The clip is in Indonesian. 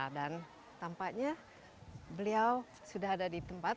dan tampaknya beliau sudah ada di tempat